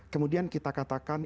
kemudian kita katakan